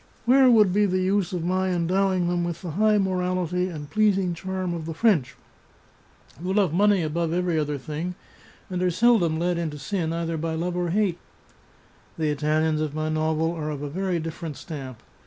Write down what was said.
Where would be the use of my endowing them with the high morality and pleasing charm of the French, who love money above every other thing, and are seldom led into sin either by viii The Chartreuse of Parma love or hate? The Italians of my novel are of a very dif ferent stamp.